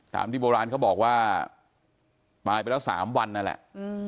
ตามที่โบราณเขาบอกว่าตายไปแล้ว๓วันนั่นแหละ